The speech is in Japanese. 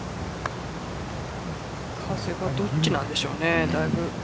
風がどっちなんでしょうね。